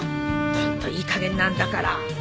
ホントいいかげんなんだから。